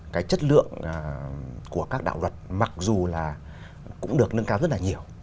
cái chất lượng của các đạo luật mặc dù là cũng được nâng cao rất là nhiều